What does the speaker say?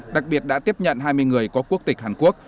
đặc biệt đã tiếp nhận hai mươi người có quốc tịch hàn quốc